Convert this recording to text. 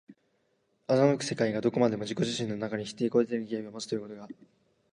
斯く世界がどこまでも自己自身の中に自己否定の契機をもつということが、